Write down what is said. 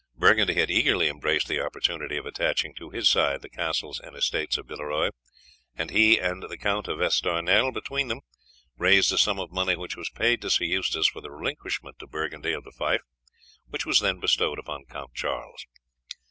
Burgundy had eagerly embraced the opportunity of attaching to his side the castle and estates of Villeroy, and he and the Count d'Estournel between them raised a sum of money which was paid to Sir Eustace for the relinquishment to Burgundy of the fief, which was then bestowed upon Count Charles.